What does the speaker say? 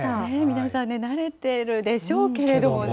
皆さんね、慣れてるでしょうけれどもね。